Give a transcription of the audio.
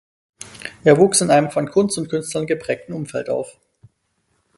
Er wuchs in einem von Kunst und Künstlern geprägten Umfeld auf.